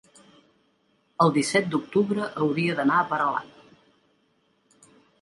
el disset d'octubre hauria d'anar a Peralada.